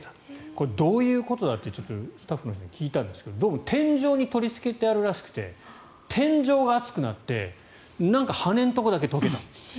これ、どういうことだってちょっとスタッフの人に聞いたんですがどうも天井に取りつけてあるらしくて天井が熱くなってなんか、羽根のところだけ溶けたと。